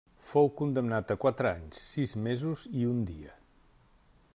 Fou condemnat a quatre anys, sis mesos i un dia.